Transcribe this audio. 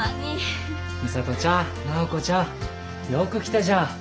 美里ちゃん直子ちゃんよく来たじゃん。